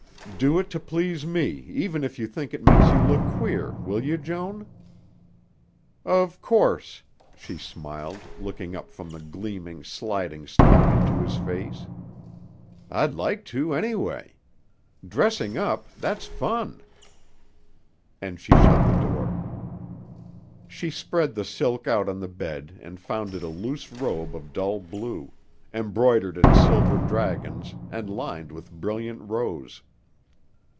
"Do it to please me, even if you think it makes you look queer, will you, Joan?" "Of course," she smiled, looking up from the gleaming, sliding stuff into his face. "I'd like to, anyway. Dressing up that's fun." And she shut the door. She spread the silk out on the bed and found it a loose robe of dull blue, embroidered in silver dragons and lined with brilliant rose.